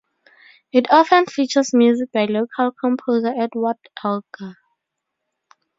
It often features music by local composer Edward Elgar.